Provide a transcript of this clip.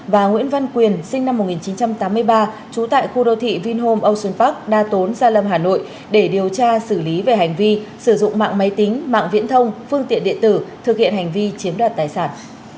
và nguyễn văn quyền sinh năm một nghìn chín trăm tám mươi ba trú tại khu đô thị vinhome ocean park đa tốn gia lâm hà nội để điều tra xử lý về hành vi sử dụng mạng máy tính mạng viễn thông phương tiện điện tử thực hiện hành vi chiếm đoạt tài sản